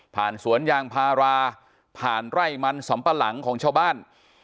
สวนยางพาราผ่านไร่มันสำปะหลังของชาวบ้าน